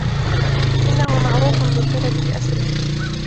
إنه معروف للبلد بأسره.